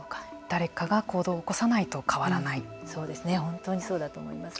誰かが行動を起こさないと本当にそうだと思います。